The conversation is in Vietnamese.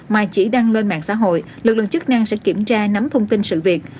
mà chỉ đăng lên mạng xã hội lực lượng chức năng sẽ kiểm tra nắm thông tin sự việc